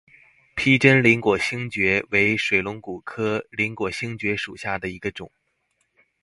披针鳞果星蕨为水龙骨科鳞果星蕨属下的一个种。